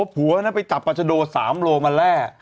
พัวนั้นไปจับปาชโด๓ลมละ